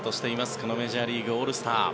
このメジャーリーグオールスター。